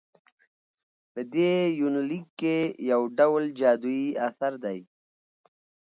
په دې يونليک کې يوډول جادويي اثر دى